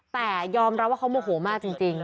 แต่ยอมรับว่าเขาโมโหมากจริง